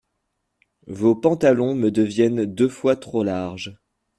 Vos pantalons me deviennent deux fois trop larges.